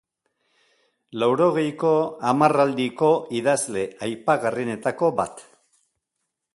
Laurogeiko hamarraldiko idazle aipagarrienetako bat.